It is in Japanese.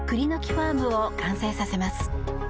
ファームを完成させます。